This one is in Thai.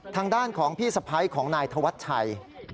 ทางด้านของพี่สะพ้ายของนายธวัชชัย